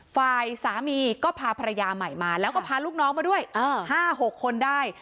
ฝ่ายสามีก็พาภรรยาใหม่มาแล้วก็พาลูกน้องมาด้วย๕๖คนได้